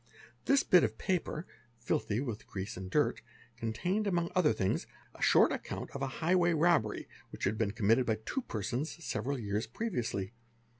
This bit of paper, filthy with ease and dirt, contained among other things a short account of a high y robbery which had been committed by two persons several years sviously.